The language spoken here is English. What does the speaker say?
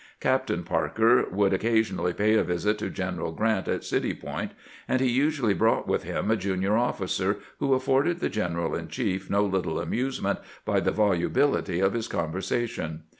Captain Parker would occasionally pay a visit to General Grant at City Point, and he usually brought with him a junior ofi&cer who afforded the gen eral in chief no little amusement by the volubihty of his conversation.